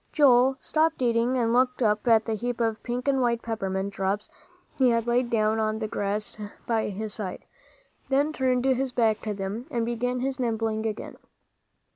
Joel stopped eating and looked at the heap of pink and white peppermint drops he had laid down on the grass by his side; then turned his back to them, and began his nibbling again.